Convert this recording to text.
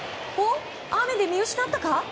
雨で見失ったか？